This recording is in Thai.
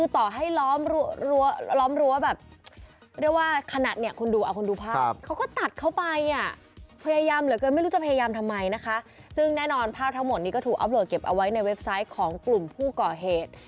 ที่ถูกอัพโหลดเก็บเอาไว้ในเว็บไซต์ของกลุ่มผู้ก่อเหตุ